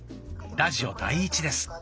ラジオ第１です。